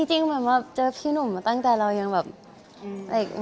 จริงเหมือนแบบเจอพี่หนุ่มมาตั้งแต่เรายังแบบ